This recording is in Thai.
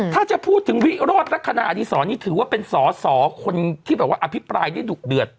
ถ้าจะพูดถึงวิโรธลักษณะอดีศรนี่ถือว่าเป็นสอสอคนที่แบบว่าอภิปรายได้ดุเดือด